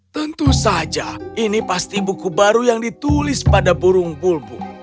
tentu saja ini pasti buku baru yang ditulis pada burung bulbu